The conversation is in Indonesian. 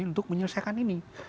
untuk menyelesaikan ini